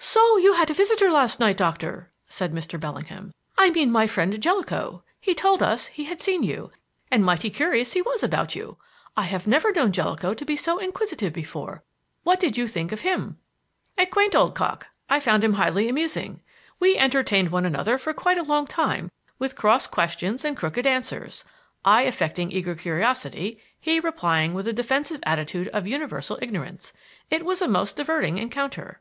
"So you had a visitor last night, Doctor," said Mr. Bellingham. "I mean my friend Jellicoe. He told us he had seen you, and mighty curious he was about you. I have never known Jellicoe to be so inquisitive before. What did you think of him?" "A quaint old cock. I found him highly amusing. We entertained one another for quite a long time with cross questions and crooked answers; I affecting eager curiosity, he replying with a defensive attitude of universal ignorance. It was a most diverting encounter."